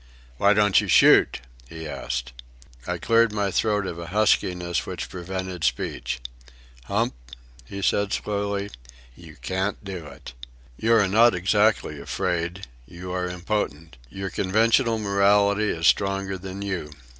"Why don't you shoot?" he asked. I cleared my throat of a huskiness which prevented speech. "Hump," he said slowly, "you can't do it. You are not exactly afraid. You are impotent. Your conventional morality is stronger than you.